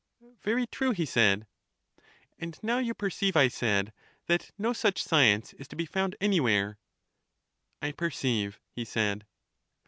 Very true, he said. And now you perceive, I said, that no such science is to be found anywhere. I perceive, he said.